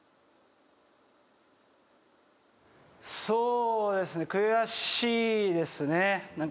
そうですね悔しいですね。